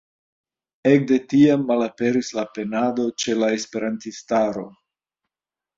Ekde tiam malaperis la penado ĉe la esperantistaro.